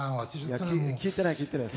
いや聞いてない聞いてない。